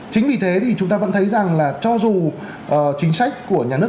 chính vì thế thì chúng ta vẫn thấy rằng là cho dù chính sách của nhà nước